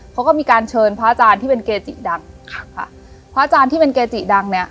เขาก็มีการเชิญพระอาจารย์ที่เป็นเกจิดังค่ะพระอาจารย์ที่เป็นเกจิดังเนี้ย